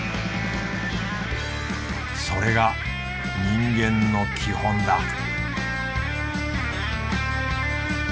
それが人間の基本だ